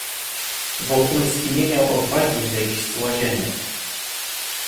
"Wokulski nie miał odwagi wyjść z Łazienek."